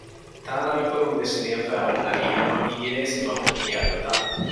ތާނައަކުރުން ވެސް ލިޔެފައި އޮންނަނީ ހަމަ އިނގިރޭސިބަހުން ކިޔާ ގޮތަށް